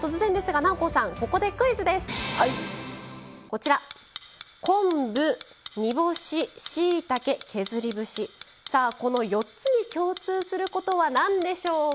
こちら昆布煮干ししいたけ削り節さあこの４つに共通することは何でしょうか？